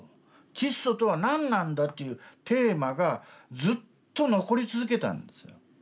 「チッソとは何なんだ」というテーマがずっと残り続けたんですよ。